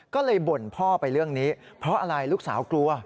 ก็เลยบ่นพ่อไปเรื่องนี้เพราะอะไรลูกสาวกลัว